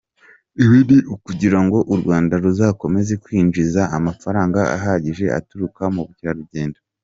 Ibi ni ukugira ngo u Rwanda ruzakomeze kwinjiza amafaranga ahagije aturuka mu Bukerarugendo.